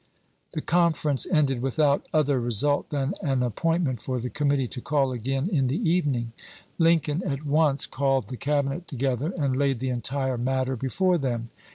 The conference ended without other result than an appointment for the Committee to call again in the evening. Lincoln at once called the Cabinet together and laid the entire matter before them.